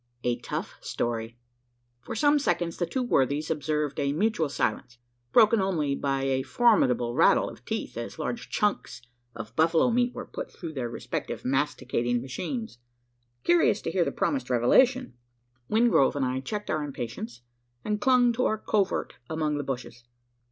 A TOUGH STORY. For some seconds the two worthies observed a mutual silence broken only by a formidable rattle of teeth, as large "chunks" of buffalo meat were put through their respective masticating machines. Curious to hear the promised revelation, Wingrove and I checked our impatience, and clung to our covert among the bushes.